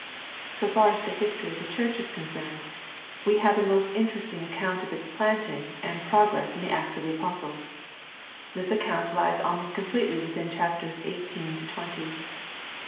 So far as the history of the church is con cerned, we have a most interesting account of its planting and progress in the Acts of the Apostles. This account lies almost completely within chapters eighteen to twenty.